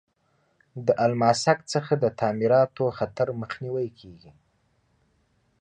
د الماسک څخه د تعمیراتو خطر مخنیوی کیږي.